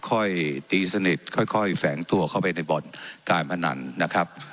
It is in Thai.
ค่อยตีสนิทค่อยแฝงตัวเข้าไปในบ่อนการพนันนะครับ